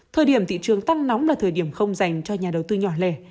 thời điểm thị trường tăng nóng là thời điểm không dành cho nhà đầu tư nhỏ lẻ